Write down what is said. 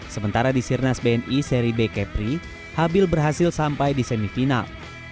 sementara di sirnas bni seri b kepri habil berhasil sampai di semifinal